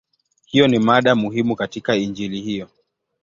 Hiyo ni mada muhimu katika Injili hiyo.